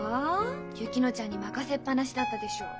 薫乃ちゃんに任せっ放しだったでしょう。